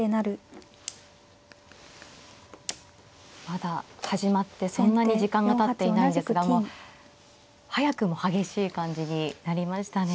まだ始まってそんなに時間がたっていないんですがもう早くも激しい感じになりましたね。